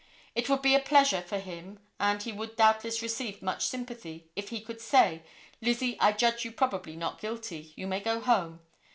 It would be a pleasure for him, and he would doubtless receive much sympathy if he could say 'Lizzie, I judge you probably not guilty. You may go home.